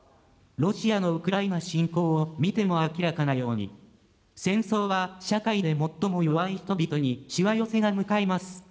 ロシアのウクライナ侵攻を見ても明らかなように、戦争は社会で最も弱い人々にしわ寄せが向かいます。